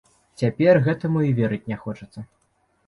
Цяпер гэтаму і верыць не хочацца.